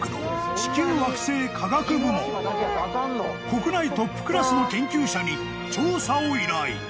［国内トップクラスの研究者に調査を依頼］